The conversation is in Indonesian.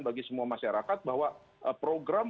bagi semua masyarakat bahwa program